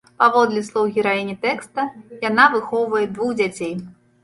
Паводле слоў гераіні тэкста, яна выхоўвае двух дзяцей.